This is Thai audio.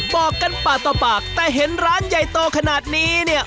บอกกันป่าแต่เห็นร้านใหญ่โตขนาดนี้